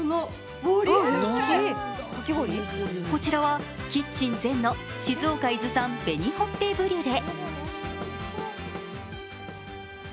こちらはキッチンＺＥＮの静岡伊豆産紅ほっぺブリュレ。